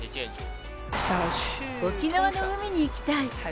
沖縄の海に行きたい。